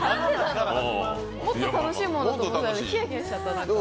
もっと楽しいものだと思っていてひやひやしちゃった。